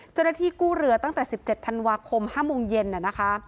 เจ้าหน้าที่กู้เรือตั้งแต่๑๗ธันวาคม๕โมงเย็นนะคะ